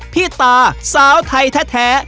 พี่ตาสาวไทยแท้